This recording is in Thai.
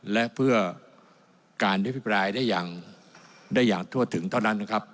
และเพื่อการอภิปรายได้อย่างได้อย่างทั่วถึงเท่านั้นนะครับ